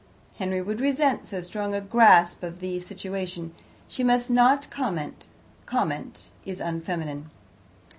"Henry would resent so strong a grasp of the situation. She must not comment; comment is unfeminine.